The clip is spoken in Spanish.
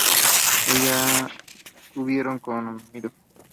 ellas hubieron comido